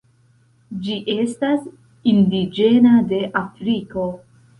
Ĝi estas indiĝena de Afriko.